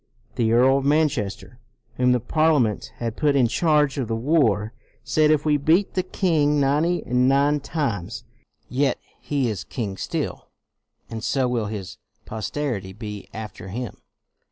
The Earl of Manchester, whom the Parliament had put in charge of the war, said, " If we beat the king ninety and nine times, yet he is king still, and so will his posterity be after him."